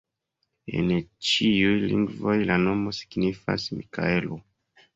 En ĉiuj lingvoj la nomo signifas Mikaelo.